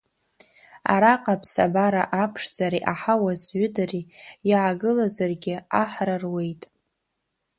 Араҟа аԥсабара аԥшӡареи аҳауа зҩыдареи иаагылазаргьы аҳра руеит!